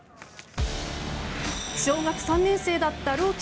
小学３年生だった朗希